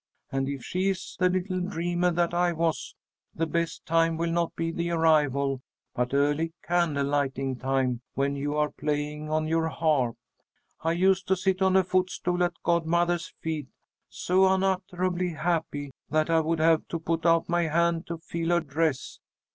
And if she is the little dreamer that I was the best time will not be the arrival, but early candle lighting time, when you are playing on your harp. I used to sit on a foot stool at godmother's feet, so unutterably happy, that I would have to put out my hand to feel her dress.